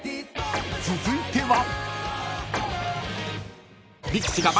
［続いては］